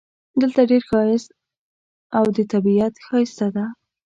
دلته ډېر ښایست ده او طبیعت ښایسته ده